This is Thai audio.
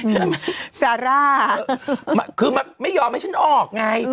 คือซาร่าคือแบบไม่ยอมให้ฉันออกไง